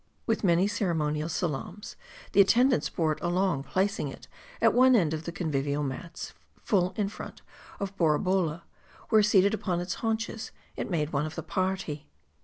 With many ceremonial salams, the attendants bore it along, placing it at one end of the convivial mats, full in front of Borabolla ; where seated upon its haunches it made one of the party.